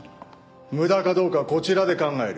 無駄かどうかはこちらで考える。